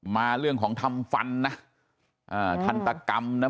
มาเรื่องของทำฟันนะอ่าทันตกรรมนะ